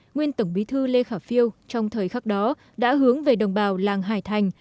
nguyên tổng bí thư lê khả phiêu trong thời khắc đó đã hướng về đồng bào làng hải thành